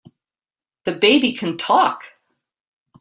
The baby can TALK!